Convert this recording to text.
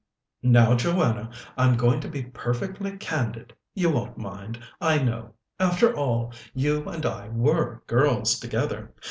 "Now, Joanna, I'm going to be perfectly candid. You won't mind, I know after all, you and I were girls together.